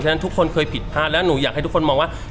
ฉะทุกคนเคยผิดพลาดแล้วหนูอยากให้ทุกคนมองว่า